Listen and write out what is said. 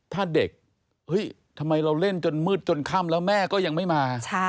ถ้าเด็กทำไมเราเล่นจนมืดจนค่ำแล้วแม่ก็ยังไม่มา